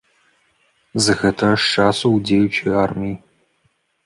З гэтага ж часу ў дзеючай арміі.